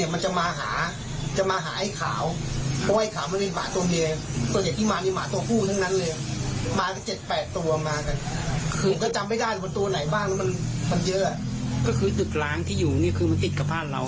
บ้านมันเยอะคือตึกล้างที่อยู่นี่คือมันติดกับบ้านเรา